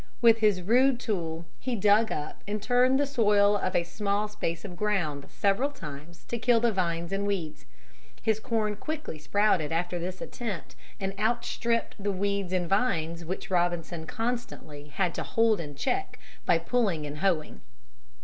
With his rude tool he dug up and turned the soil of a small space of ground several times to kill the vines and weeds. His corn quickly sprouted after this attempt and outstripped the weeds and vines which Robinson constantly had to hold in check by pulling and hoeing.